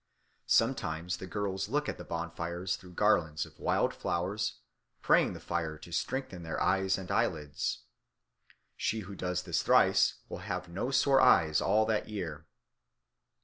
Sometimes the girls look at the bonfires through garlands of wild flowers, praying the fire to strengthen their eyes and eyelids. She who does this thrice will have no sore eyes all that year.